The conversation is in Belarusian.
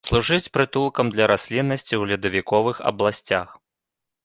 Служыць прытулкам для расліннасці ў ледавіковых абласцях.